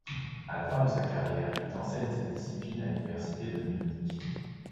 À la fin de sa carrière, il enseigne cette discipline à l'université de Munich.